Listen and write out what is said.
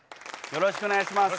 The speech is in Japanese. よろしくお願いします。